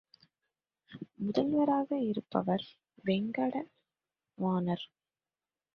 மூலவராக இருப்பவர் வேங்கட வாணர்.